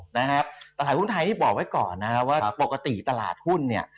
ตลาดหุ้นไทยนี่บอกไว้ก่อนนะครับว่าปกติตลาดหุ้นเนี่ย